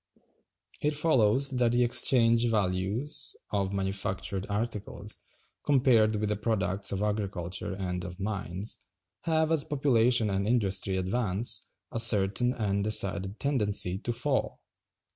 It follows that the exchange values of manufactured articles, compared with the products of agriculture and of mines, have, as population and industry advance, a certain and decided tendency to fall.